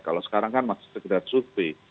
kalau sekarang kan masih sekedar survei